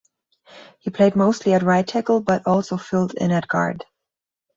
He played mostly at right tackle, but also filled in at guard.